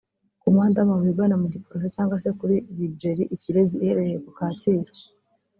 ku muhanda w’amabuye ugana mu Giporoso cyangwa se kuri Librairie Ikirezi iherereye ku Kacyiru